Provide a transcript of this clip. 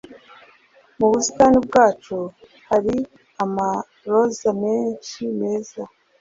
Mu busitani bwacu hari amaroza menshi meza.